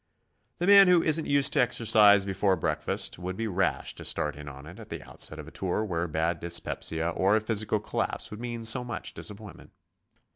The man who isn't used to exercise before breakfast, would be rash to start in on it at the outset of a tour where bad dyspepsia or a physical collapse would mean so much disappointment.